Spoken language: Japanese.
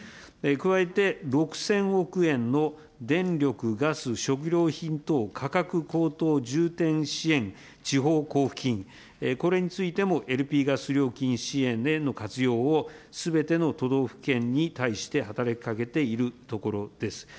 加えて、６０００億円の電力ガス食料品等価格高騰重点支援地方交付金、これについてもＬＰガス料金支援での活用をすべての都道府県に対して働きかけているところです。